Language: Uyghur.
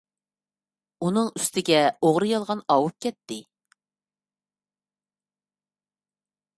ئۈنىڭ ئۈستىگە ئوغرى - يالغان ئاۋۇپ كەتتى.